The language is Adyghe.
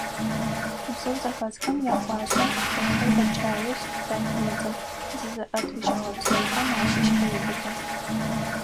Бзыу зэхэсхэм якӏуашъэ, лъэшэу дэпкӏаешъ, захедзэ, зызыӏэтыжьыгъэ бзыухэм ащыщ къеубыты.